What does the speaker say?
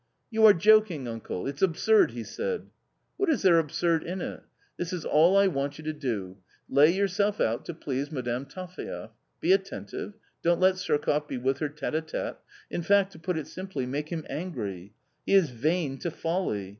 "You are joking, uncle? it's absurd! " he said. " What is there absurd in it ? This is all I want you to do. Lay yourself out to please Madame Taphaev; be attentive, don't let Surkoff be with her tite d tete — in fact, to put it simply, make him angry. He is vain to folly.